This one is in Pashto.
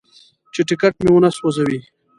چې ټکټ مې ونه سوځوي.